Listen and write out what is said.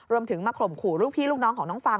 รวมถึงมาข่มขู่ลูกพี่ลูกน้องของน้องฟาร์